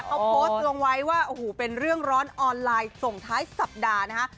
เขาโพสต์ลงไว้ว่าโอ้โหเป็นเรื่องร้อนออนไลน์ส่งท้ายสัปดาห์นะฮะ